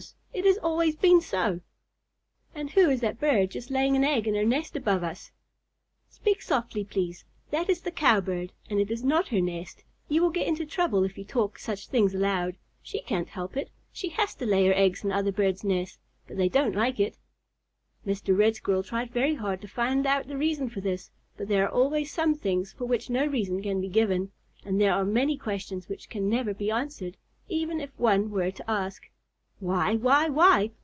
It has always been so." "And who is that bird just laying an egg in her nest above us?" "Speak softly, please. That is the Cowbird, and it is not her nest. You will get into trouble if you talk such things aloud. She can't help it. She has to lay her eggs in other birds' nests, but they don't like it." Mr. Red Squirrel tried very hard to find out the reason for this, but there are always some things for which no reason can be given; and there are many questions which can never be answered, even if one were to ask, "Why? why? why?"